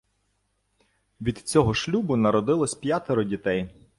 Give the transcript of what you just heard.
Від цього шлюбу народилось п'ятеро дітей.